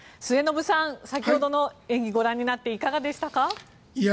末延さん先ほどの演技、ご覧になっていかがでしたか。